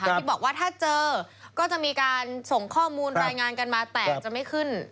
ที่บอกว่าถ้าเจอก็จะมีการส่งข้อมูลรายงานกันมาแต่จะไม่ขึ้น